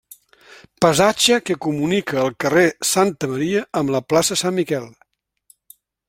Passatge que comunica el carrer Santa Maria amb la plaça Sant Miquel.